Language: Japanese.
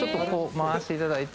寝ていただいて。